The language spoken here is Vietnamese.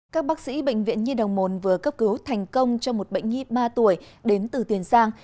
các bác sĩ bệnh viện nhi đồng môn vừa cấp cứu thành công cho một bệnh nhi ba tuổi đến từ tiền giang